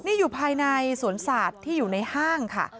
นี่อยู่ภายในสวนสัตว์ที่อยู่ในห้างค่ะ